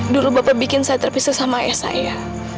dulu bapak bikin saya terpisah sama ayah saya